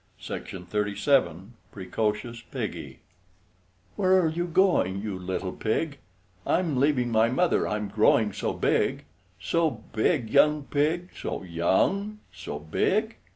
EDWARD LEAR PRECOCIOUS PIGGY Where are you going to, you little pig? "I'm leaving my Mother, I'm growing so big!" So big, young pig, So young, so big!